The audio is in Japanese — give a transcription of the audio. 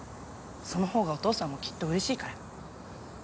その方がお父さんもきっとうれしいから。